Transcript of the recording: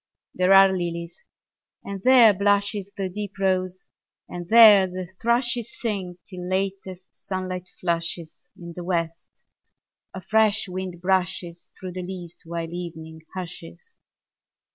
There are lilies, and there blushes The deep rose, and there the thrushes Sing till latest sunlight flushes In the west; a fresh wind brushes 10 Through the leaves while evening hushes.